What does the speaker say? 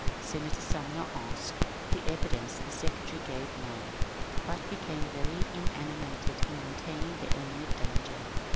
Senator Sumner asked the evidence ; the secretary gave none, but became very animated in maintaining the imminent danger.